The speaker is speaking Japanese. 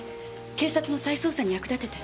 警察の再捜査に役立てて。